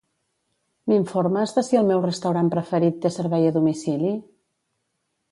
M'informes de si el meu restaurant preferit té servei a domicili?